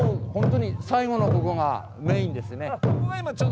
本当に最後のとこがメインですね。